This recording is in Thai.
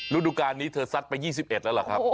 รุดดุการณ์นี้เธอสัดไป๒๑แล้วหรือครับ